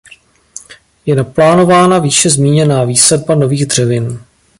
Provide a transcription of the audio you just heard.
Je naplánována výše zmíněná výsadba nových dřevin.